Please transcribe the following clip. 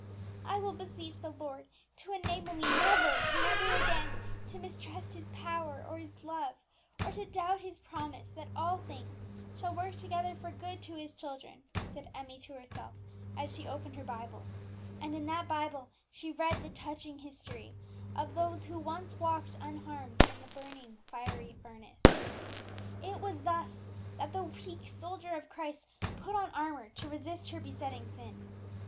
"I will beseech the Lord to enable me never, never again to mistrust His power or His love, or to doubt His promise that all things shall work together for good to His children," said Emmie to herself, as she opened her Bible; and in that Bible she read the touching history of those who once walked unharmed in the burning fiery furnace. It was thus that the weak soldier of Christ put on armour to resist her besetting sin.